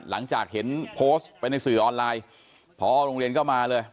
หลังจากเห็นโพสต์ไปในสื่อออนไลน์พอโรงเรียนก็มาเลย